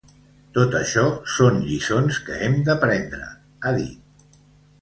Tot això són lliçons que hem d’aprendre, ha dit.